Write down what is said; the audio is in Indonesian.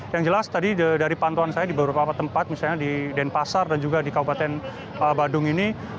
yang jelas tadi dari pantauan saya di beberapa tempat misalnya di denpasar dan juga di kabupaten badung ini